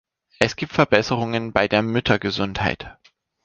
Es gibt Verbesserungen bei der Müttergesundheit.